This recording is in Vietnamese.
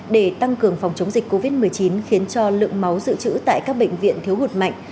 để tăng cường phòng chống dịch covid một mươi chín khiến cho lượng máu dự trữ tại các bệnh viện thiếu hụt mạnh